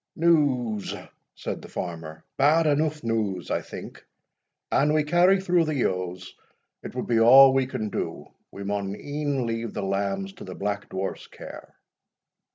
"News?" said the farmer, "bad eneugh news, I think; an we can carry through the yowes, it will be a' we can do; we maun e'en leave the lambs to the Black Dwarfs care."